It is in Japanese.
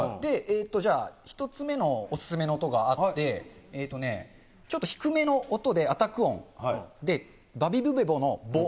じゃあ、１つ目のお勧めの音があって、ちょっと低めの音で、アタック音で、ばびぶべぼのぼ。